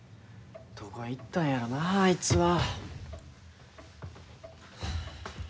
どこ行ったんやろなあいつは。